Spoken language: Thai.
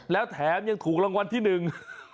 แล้วแถมยังถูกรางวัลที่หนึ่ง